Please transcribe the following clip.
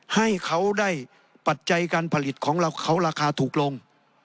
ให้เขาได้ปัจจัยการผลิตของเราเขาราคาถูกลง